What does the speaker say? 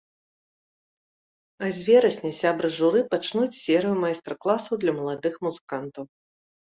А з верасня сябры журы пачнуць серыю майстар-класаў для маладых музыкантаў.